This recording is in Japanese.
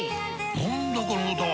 何だこの歌は！